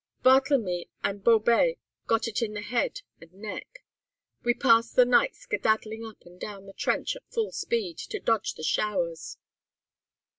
Barthlemy and Baubex got it in the head and neck. We passed the night skedaddling up and down the trench at full speed, to dodge the showers.